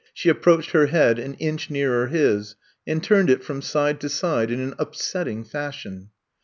She ap proached her head an inch nearer his, and turned it from side to side in an upsetting fashion.